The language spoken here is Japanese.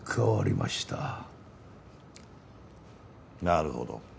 なるほど。